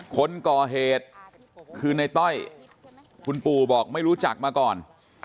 คนก่อเหตุคือในต้อยคุณปู่บอกไม่รู้จักมาก่อน